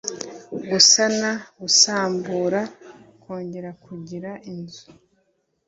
gusana gusambura kongera kugira inzu